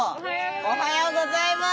おはようございます。